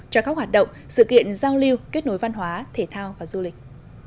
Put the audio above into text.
cho các hoạt động sự kiện giao lưu kết nối văn hóa thể thao và du lịch